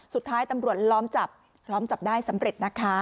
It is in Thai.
สุดท้ายตำรวจล้อมจับล้อมจับได้สำเร็จนะคะ